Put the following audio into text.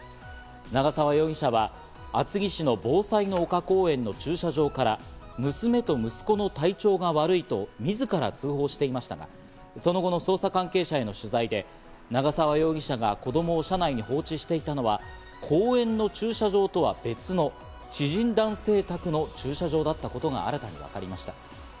長沢容疑者は厚木市のぼうさいの丘公園の駐車場から娘と息子の体調が悪いと自ら通報していましたが、その後の捜査関係者への取材で、長沢容疑者が子供を車内に放置していたのは公園の駐車場とは別の知人男性宅の駐車場だったことが新たに分かりました。